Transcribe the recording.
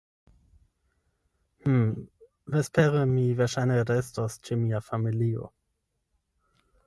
Hm, vespere mi verŝajne restos ĉe mia familio.